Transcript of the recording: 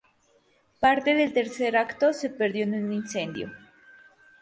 Parte del tercer acto se perdió en un incendio.